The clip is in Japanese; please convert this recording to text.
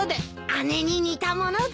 姉に似たもので。